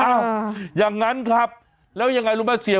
อ้าวอย่างนั้นครับแล้วยังไงรู้มั้ยเสีย